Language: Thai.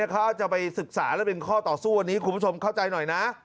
เขาจะไปศึกษาแล้วเป็นข้อต่อสู้อันนี้คุณผู้ชมเข้าใจหน่อยนะ